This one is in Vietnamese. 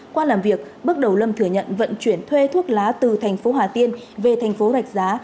qua làm việc bước đầu lâm thừa nhận vận chuyển thuê thuốc lá từ thành phố hà tiên về thành phố rạch giá